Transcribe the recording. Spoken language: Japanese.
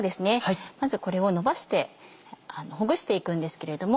まずこれをほぐしていくんですけれども。